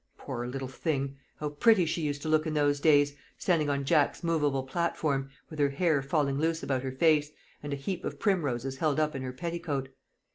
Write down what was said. Poor little thing, how pretty she used to look in those days, standing on Jack's movable platform, with her hair falling loose about her face, and a heap of primroses held up in her petticoat!